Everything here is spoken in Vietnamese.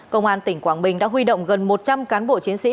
công an tỉnh quảng bình đã huy động gần một trăm linh cán bộ chiến sĩ